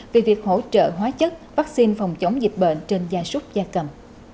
về việc hỗ trợ hóa chất vắc xin phòng chống dịch bệnh trên gia súc gia cầm